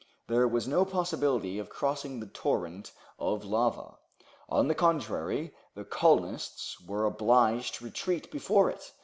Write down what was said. There was no possibility of crossing the torrent of lava; on the contrary, the colonists were obliged to retreat before it.